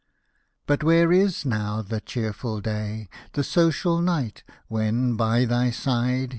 But, where is now the cheerful day, The social night, when, by thy side.